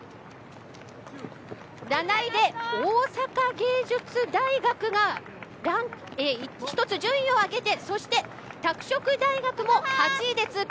７位で大阪芸術大学が一つ順位を上げてそして拓殖大学も８位で通過。